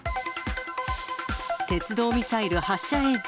鉄道ミサイル発射映像。